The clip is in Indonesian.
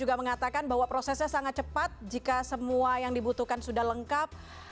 juga mengatakan bahwa prosesnya sangat cepat jika semua yang dibutuhkan sudah lengkap